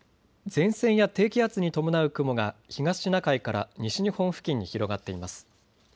前線や低気圧に伴う雲が東シナ海から西日本付近に広がっています。